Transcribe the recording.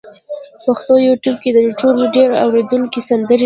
پښتو یوټیوب کې تر ټولو ډېر اورېدونکي سندرې لري.